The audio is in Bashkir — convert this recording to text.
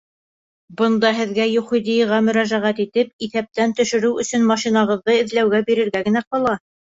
Бында һеҙгә ЮХХДИ-ға мөрәжәғәт итеп, иҫәптән төшөрөү өсөн машинағыҙҙы эҙләүгә бирергә генә ҡала.